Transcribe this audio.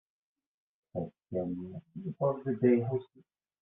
Azekka-nni, yewweḍ-d Dda Lḥusin.